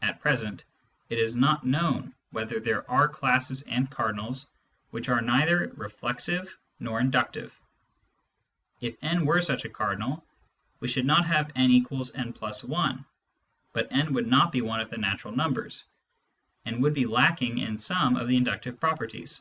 At present, it is not known whether there are classes and cardinals which are neither reflexive nor inductive. If n were such a cardinal, we should not have «=ra+i, but n would not be one of the " natural numbers," and would be lacking in some of the inductive properties.